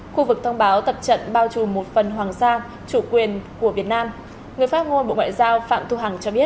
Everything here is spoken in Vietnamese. khu vực thông báo tập trận bao trù một phần hoàng sa chủ quyền của việt nam người phát ngôn bộ ngoại giao phạm thu hằng cho biết